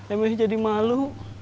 ameh jadi malu